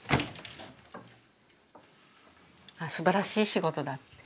すばらしい仕事だって。